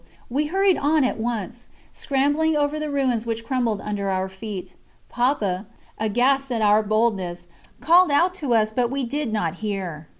We hurried on at once, scrambling over the ruins which crumbled under our feet. Papa, aghast at our boldness, called out to us, but we did not hear.